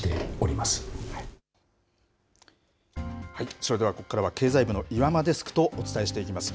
それではここからは経済部の岩間デスクとお伝えしていきます。